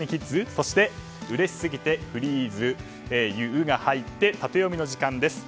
そして、うれしすぎてのフリーズ「ユ」「ウ」が入ってタテヨミの時間です。